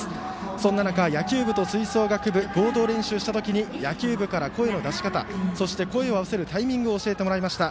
そんな中、野球部と吹奏楽部が合同練習のとき野球部から声の出し方そして声を合わせるタイミングを教えてもらいました。